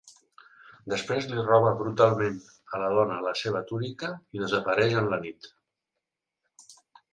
Després li roba brutalment a la dona la seva túnica i desapareix en la nit.